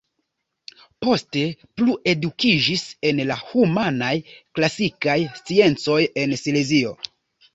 Poste plu edukiĝis en la humanaj-klasikaj sciencoj en Silezio.